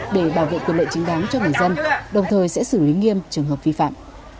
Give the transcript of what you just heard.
để bảo vệ quyền lợi chính đáng cho người dân đồng thời sẽ xử lý nghiêm trường hợp vi phạm